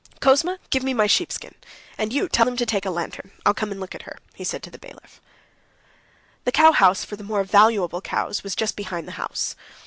"Kouzma, give me my sheepskin. And you tell them to take a lantern. I'll come and look at her," he said to the bailiff. The cowhouse for the more valuable cows was just behind the house.